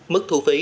mức thu phí